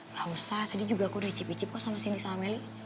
nggak usah tadi juga aku udah icip icip kok sama cindy sama melly